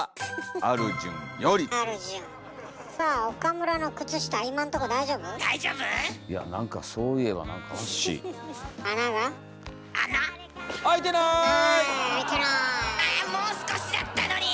あもう少しだったのに！